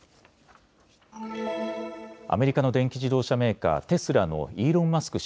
アメリカの電気自動車メーカー、テスラのイーロン・マスク